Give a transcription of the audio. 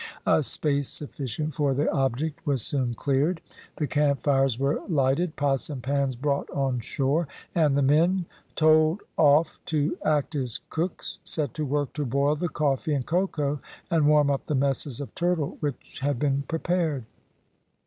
A space sufficient for their object was soon cleared. The campfires were lighted, pots and pans brought on shore, and the men, told off to act as cooks, set to work to boil the coffee and cocoa and warm up the messes of turtle which had been prepared.